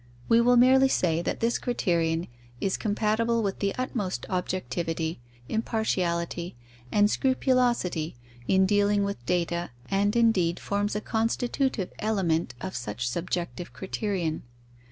We will merely say that this criterion is compatible with the utmost objectivity, impartiality, and scrupulosity in dealing with data, and indeed forms a constitutive element of such subjective criterion.